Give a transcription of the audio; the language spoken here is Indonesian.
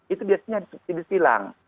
itu biasanya disubsidi silang